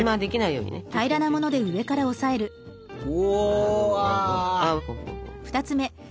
うわ。